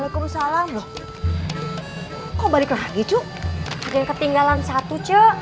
kamu baru tahu